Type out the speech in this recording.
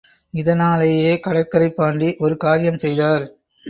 இதனாலேயே, கடற்கரைப் பாண்டி ஒரு காரியம் செய்தார்.